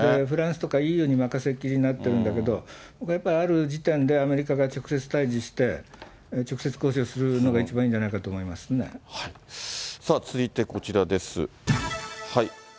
フランスとかＥＵに任せっきりになってるんだけど、やっぱり、ある時点で、アメリカが直接対じして、直接交渉するのが一番いいんさあ、続いてこちらです。